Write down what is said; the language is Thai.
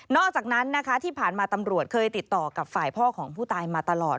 อกจากนั้นนะคะที่ผ่านมาตำรวจเคยติดต่อกับฝ่ายพ่อของผู้ตายมาตลอด